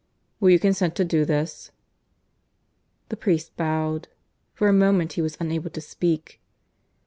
... Will you consent to do this?" The priest bowed. For the moment he was unable to speak.